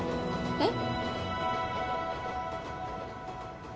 えっ？